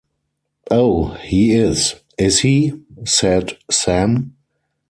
‘Oh, he is, is he?’ said Sam.